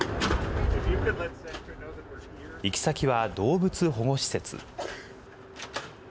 行き先は動物保護施設。